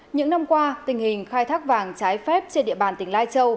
những năm qua tình hình khai thác vàng trái phép trên địa bàn tỉnh lai châu